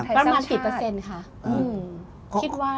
ประมาณกี่เปอร์เซ็นต์ค่ะ